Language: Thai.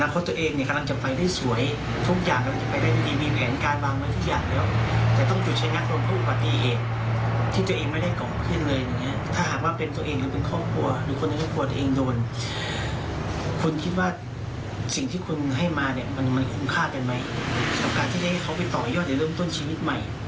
เขาไปต่ออย่างเดียวเริ่มต้นชีวิตใหม่